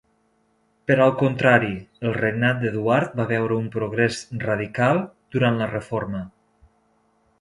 Per al contrari, el regnat d'Eduard va veure un progrés radical durant la Reforma.